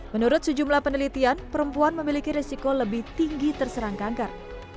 menurut sejumlah penelitian perempuan memiliki resiko lebih tinggi terserang kanker